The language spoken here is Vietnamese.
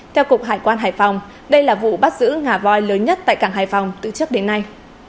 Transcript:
theo cục hải quan hải phòng đây là vụ bắt giữ ngà voi lớn nhất tại cảng hải phòng từ trước đến nay